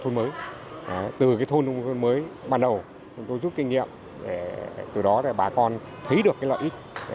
thôn mới từ thôn nông thôn mới bắt đầu chúng tôi rút kinh nghiệm từ đó bà con thấy được lợi ích